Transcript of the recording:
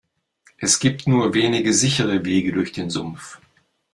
Es gibt nur wenige sichere Wege durch den Sumpf.